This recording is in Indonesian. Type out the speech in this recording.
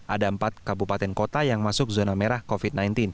ada empat kabupaten kota yang masuk zona merah covid sembilan belas